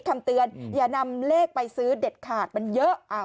คำเตือนอย่านำเลขไปซื้อเด็ดขาดมันเยอะ